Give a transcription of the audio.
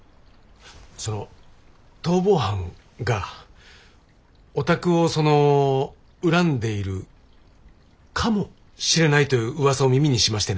その逃亡犯がお宅をその恨んでいるかもしれないという噂を耳にしましてね。